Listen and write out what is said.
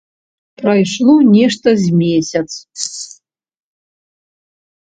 Прайшло нешта з месяц.